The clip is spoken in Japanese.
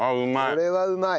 これはうまい。